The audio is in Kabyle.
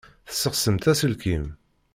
Tessexsimt aselkim.